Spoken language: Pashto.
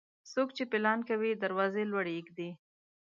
څوک چې پيلان کوي، دروازې لوړي اېږدي.